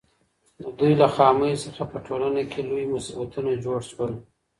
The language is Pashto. د دوی له خامیو څخه په ټولنه کي لوی مصیبتونه جوړ سول.